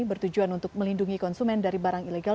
bertujuan untuk melindungi konsumen dari barang ilegal